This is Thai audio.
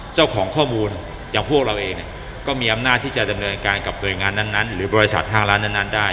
เจ้าของข้อมูลอย่างพวกเราเองก็มีอำนาจที่จะดำเนินการกับหน่วยงานนั้นหรือบริษัทห้างร้านนั้นได้